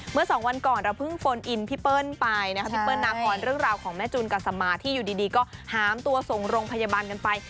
เมื่อสองวันก่อนเราเพิ่งโฟนอินพี่เปิ้ลไปนะครับพี่เปิ้ลนาคอนเรื่องราวของแม่จูนกัสมาที่อยู่ดีก็หามตัวส่งโรงพยาบาลกันไป